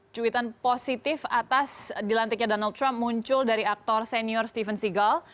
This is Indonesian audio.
cuitan positif atas dilantiknya donald trump muncul dari aktor senior stephen seagal